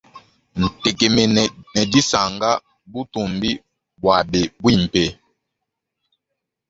Ntekemene ne disanka butumbi bwabe bwimpe.